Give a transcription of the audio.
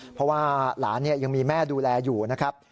เพราะว่าหลานยังมีแม่ดูแลอยู่นะครับ